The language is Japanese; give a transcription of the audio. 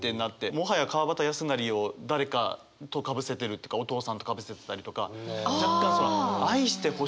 もはや川端康成を誰かとかぶせてるというかお父さんとかぶせてたりとか若干確かに。